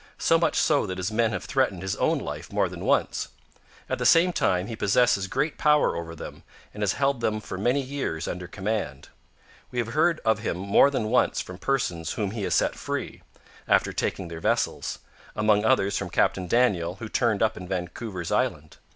So much so that his men have threatened his own life more than once. At the same time, he possesses great power over them, and has held them for many years under command. We have heard of him more than once from persons whom he has set free, after taking their vessels; among others from Captain Daniel, who turned up in Vancouver's Island.